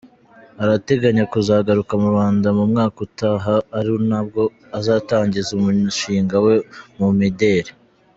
Arateganya kuzagaruka mu Rwanda mu mwaka utaha ari nabwo azatangiza umushinga we mu mideli.